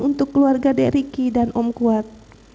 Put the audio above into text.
untuk keluarga dek ricky dan om kuat